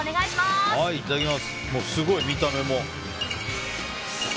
すごい、見た目も。